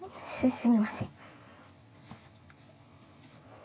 すみません。